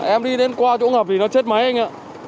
em đi đến qua chỗ ngập thì nó chết máy anh ạ